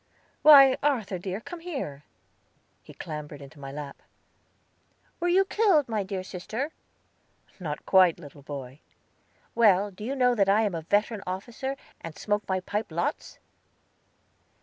"Why, Arthur dear, come here!" He clambered into my lap. "Were you killed, my dear sister?" "Not quite, little boy." "Well; do you know that I am a veteran officer, and smoke my pipe, lots?"